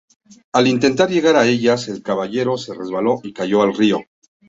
Al intentar llegar a ellas, el caballero se resbaló y cayó al río.